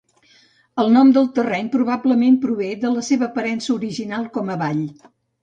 El nom del terreny probablement prové de la seva aparença original com a vall.